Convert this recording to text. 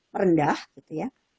merendah gitu ya